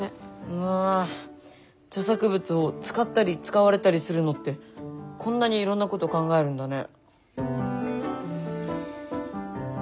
うわ著作物を使ったり使われたりするのってこんなにいろんなこと考えるんだね。